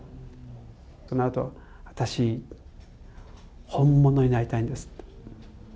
そのあと、私、本物になりたいんですって。